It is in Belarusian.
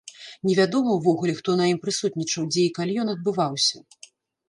Невядома ўвогуле, хто на ім прысутнічаў, дзе і калі ён адбываўся.